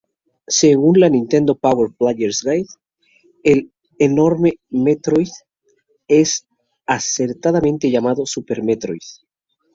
Según la Nintendo Power Player's Guide, el enorme Metroid es acertadamente llamado "Super Metroid".